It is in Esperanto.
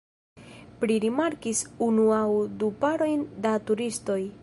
Mi rimarkis unu aŭ du parojn da turistoj.